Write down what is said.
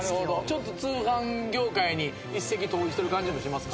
ちょっと通販業界に一石投じてる感じもしますか？